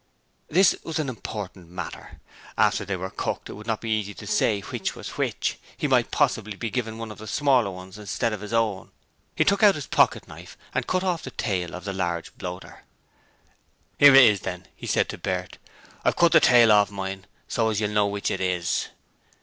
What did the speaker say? This was an important matter. After they were cooked it would not be easy to say which was which: he might possibly be given one of the smaller ones instead of his own. He took out his pocket knife and cut off the tail of the large bloater. ''Ere it is, then,' he said to Bert. 'I've cut the tail of mine so as you'll know which it is.'